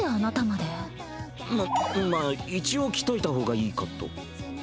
ままあ一応着といた方がいいかと。